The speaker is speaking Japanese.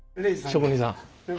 職人さん。